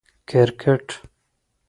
🏏 کرکټ